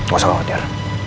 gak usah khawatir